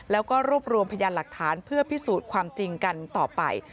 แล้วก็รวบรวมพยานหลักฐานเพื่อพิสูจน์ความจริงกันต่อไป